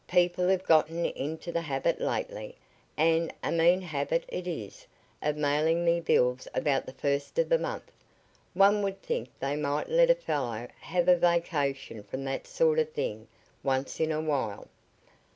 People have gotten into the habit lately, and a mean habit it is, of mailing me bills about the first of the month. One would think they might let a fellow have a vacation from that sort of thing once in a while."